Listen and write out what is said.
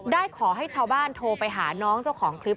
ขอให้ชาวบ้านโทรไปหาน้องเจ้าของคลิป